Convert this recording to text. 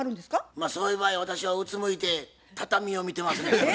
まあそういう場合私はうつむいて畳を見てますけれどもね。